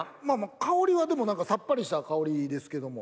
香りはでもさっぱりした香りですけども。